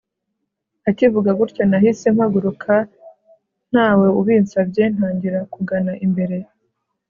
Akivuga gutyo nahise mpaguruka ntawe ubinsabye ntangira kugana imbere